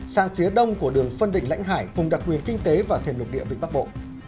sang phía đông của đường phân định lãnh hải vùng đặc quyền kinh tế và thềm lục địa vịnh bắc bộ